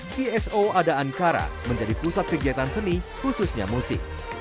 cso ada ankara menjadi pusat kegiatan seni khususnya musik